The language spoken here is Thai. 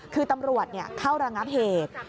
คือตำรวจเข้าระงับเหตุ